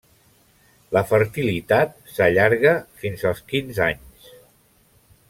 La fertilitat s'allarga fins als quinze anys.